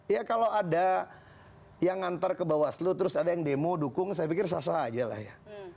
ya kalau ada yang ngantar ke bawah seluruh terus ada yang demo dukung saya pikir sasa aja lah ya